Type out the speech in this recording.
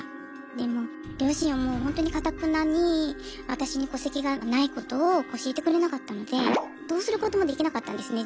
でも両親はもうほんとにかたくなに私に戸籍がないことを教えてくれなかったのでどうすることもできなかったんですね。